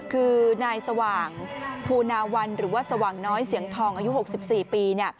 คือนายสว่างภูนาวันหรือว่าสว่างน้อยเสียงทองอายุ๖๔ปี